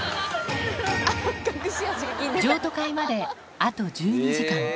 譲渡会まであと１２時間。